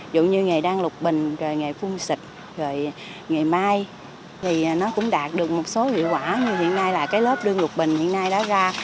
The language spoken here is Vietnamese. ví dụ như nghề đan lục bình nghề phun xịt nghề mai thì nó cũng đạt được một số hiệu quả như hiện nay là lớp đơn lục bình hiện nay đã ra